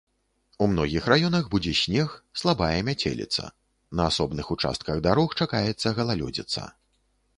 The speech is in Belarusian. У многіх раёнах будзе снег, слабая мяцеліца, на асобных участках дарог чакаецца галалёдзіца.